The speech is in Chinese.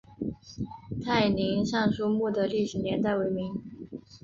泰宁尚书墓的历史年代为明。